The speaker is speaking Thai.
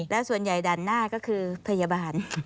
แล้วส่วนใหญ่ด่านหน้าก็คือพยาบาล